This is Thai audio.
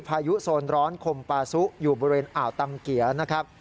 พายุโซนร้อนคมปาซุอยู่บริเวณอ่าวตังเกียร์นะครับ